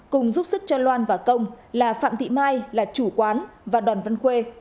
cùng giúp sức cho loan và công là phạm thị mai là chủ quán và đoàn văn khuê